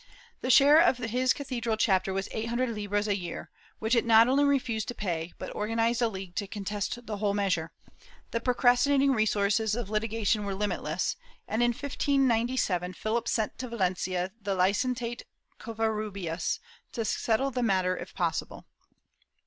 The share of his cathedral chapter was eight hundred libras a year, which it not only refused to pay but organized a league to contest the whole measure; the procrastinating resources of liti gation were limitless and, in 1597, Philip sent to Valencia the Licentiate Covarrubias to settle the matter if possible.